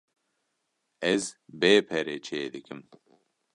Ez bê pere çê dikim.